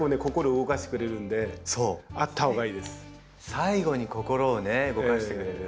最後に心を動かしてくれる。